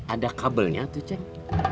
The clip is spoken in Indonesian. ada kabelnya atuh ceng